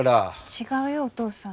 違うよお父さん。